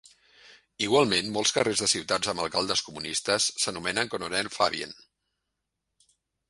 Igualment, molts carrers de ciutats amb alcaldes comunistes s'anomenen "Coronel Fabien".